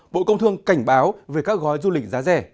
bộ công thương cảnh báo về các gói du lịch giá rẻ